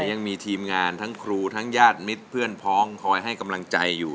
ยังมีทีมงานทั้งครูทั้งญาติมิตรเพื่อนพ้องคอยให้กำลังใจอยู่